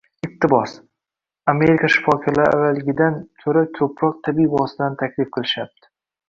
Iqtibos: «Amerika shifokorlari avvalgidan ko‘ra ko‘proq tabiiy vositalarni taklif qilishyapti